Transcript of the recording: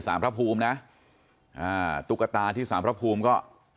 สามพระภูมินะตุ๊กตาที่สามพระภูมิก็